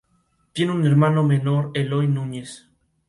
La cámara que agrupaba a las mayores radioemisoras del país.